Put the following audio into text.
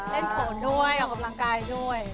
โขนด้วยออกกำลังกายด้วย